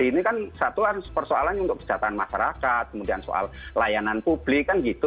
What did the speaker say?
ini kan satu harus persoalannya untuk kesejahteraan masyarakat kemudian soal layanan publik kan gitu